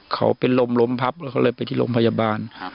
เขาเป็นลมล้มพับแล้วเขาเลยไปที่โรงพยาบาล